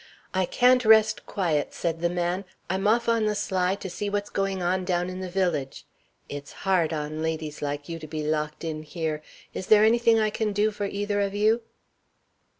"I can't rest quiet," said the man, "I'm off on the sly to see what's going on down in the village. It's hard on ladies like you to be locked in here. Is there anything I can do for either of you?"